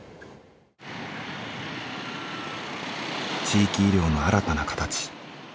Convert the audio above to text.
地域医療の新たな形。